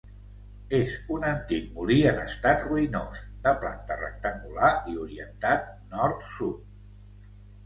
És un antic molí en estat ruïnós, de planta rectangular i orientat nord-sud.